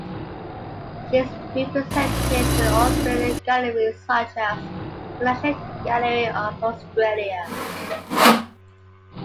She is represented in Australian galleries such as the National Gallery of Australia.